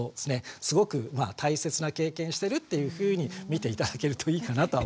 すごく大切な経験してるっていうふうに見て頂けるといいかなとは思います。